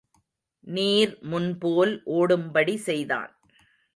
நீர் முன்போல் ஓடும்படி செய்தான்.